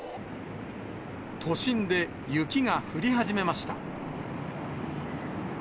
都心で雪が降り始めました。